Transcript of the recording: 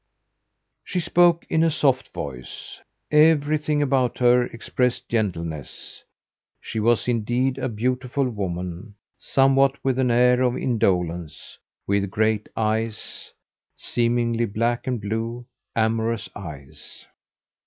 She spoke in a soft voice. Everything about her expressed gentleness. She was, indeed, a beautiful woman; somewhat with an air of indolence, with great eyes seemingly black and blue amorous eyes.